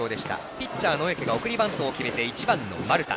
ピッチャーの小宅が送りバントを決めて１番の丸田。